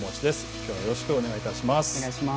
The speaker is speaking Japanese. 今日はよろしくお願いいたします。